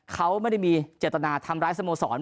เขาไม่ได้มีเจตนาทำร้ายสโมสร